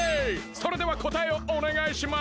それではこたえをおねがいします！